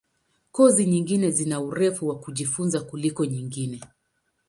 Kozi nyingine zina urefu wa kujifunza kuliko nyingine.